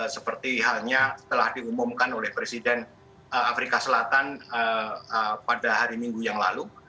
seperti halnya telah diumumkan oleh presiden afrika selatan pada hari minggu yang lalu